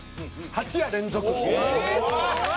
８夜連続！